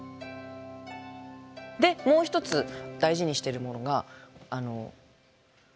でもう一つ大事にしているものが白湯です。